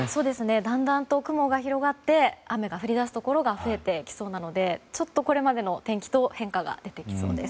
だんだんと雲が広がって雨が降り出すところが増えてきそうなのでちょっとこれまでの天気と変化が出てきそうです。